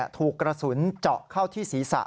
ถูกกระสุนเจาะเข้าที่ศีรษะ